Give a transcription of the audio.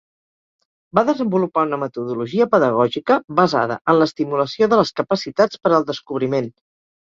Va desenvolupar una metodologia pedagògica basada en l'estimulació de les capacitats per al descobriment.